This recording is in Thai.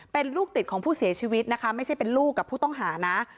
เป็นลูกติดของผู้เสียชีวิตนะคะไม่ใช่เป็นลูกกับผู้ต้องหานะ